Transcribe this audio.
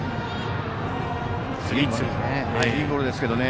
いいボールですけどね